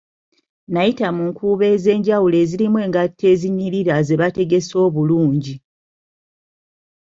Nayita mu nkuubo ezenjawulo ezirimu engatto ezinyirira zebategese obulungi.